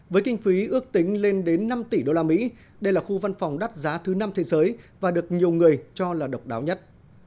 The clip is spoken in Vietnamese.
với kinh phí ước tính lên đến năm tỷ usd đây là khu văn phòng đắt giá thứ năm thế giới và được nhiều người cho là độc đáo nhất